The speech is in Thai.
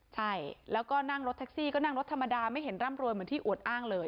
ใช่แล้วก็นั่งรถแท็กซี่ก็นั่งรถธรรมดาไม่เห็นร่ำรวยเหมือนที่อวดอ้างเลย